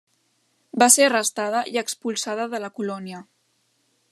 Va ser arrestada i expulsada de la colònia.